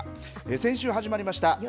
先週始まりました。